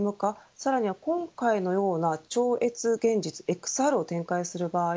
さらに今回のような超越現実ＸＲを展開する場合